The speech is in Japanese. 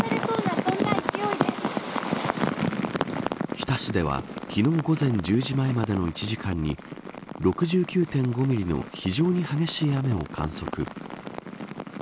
日田市では昨日午前１０時前までの１時間に６９．５ミリの非常に激しい雨を観測。